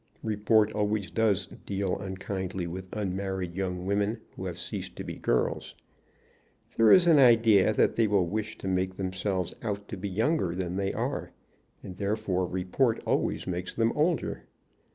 Report always does deal unkindly with unmarried young women who have ceased to be girls. There is an idea that they will wish to make themselves out to be younger than they are, and therefore report always makes them older.